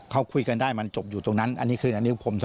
เขาคุยกันได้มันจบอยู่ตรงนั้นอันนี้คืออันนี้ผม